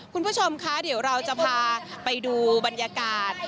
คุณผู้ชมคะเดี๋ยวเราจะพาไปดูบรรยากาศ